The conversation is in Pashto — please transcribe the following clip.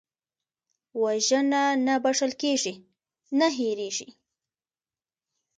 وژنه نه بښل کېږي، نه هېرېږي